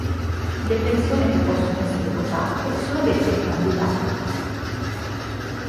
Le persone che possono essere votate sono dette "candidati".